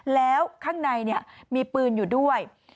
แล้วข้างในมีปืนอยู่ด้วย